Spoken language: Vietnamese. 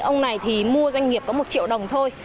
ông này thì mua doanh nghiệp có một triệu đồng thôi